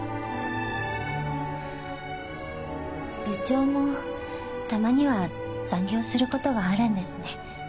部長もたまには残業することがあるんですね。